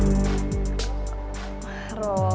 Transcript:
nama dia bukan romeo